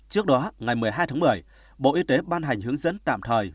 trước đó ngày một mươi hai tháng một mươi bộ y tế ban hành hướng dẫn tạm thời